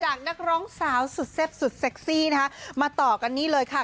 นักร้องสาวสุดแซ่บสุดเซ็กซี่นะคะมาต่อกันนี่เลยค่ะ